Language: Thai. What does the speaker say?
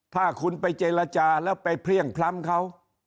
ถ้าคุณไปเจรจาแล้วไปเพลี่ยงพล้ำเขา